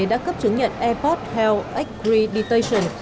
đã cấp chứng nhận airport health accreditation